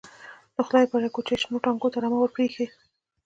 _د خدای له پاره، کوچي شنو تاکونو ته رمه ور پرې اېښې.